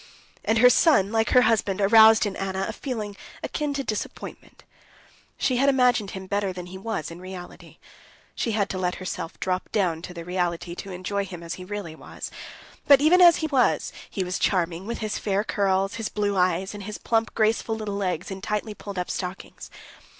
And her son, like her husband, aroused in Anna a feeling akin to disappointment. She had imagined him better than he was in reality. She had to let herself drop down to the reality to enjoy him as he really was. But even as he was, he was charming, with his fair curls, his blue eyes, and his plump, graceful little legs in tightly pulled up stockings.